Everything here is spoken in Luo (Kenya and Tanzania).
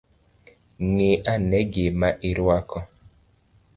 Ngi ane gima irwako